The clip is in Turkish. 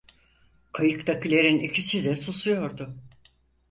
Kayıktakilerin ikisi de susuyordu.